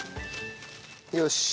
よし。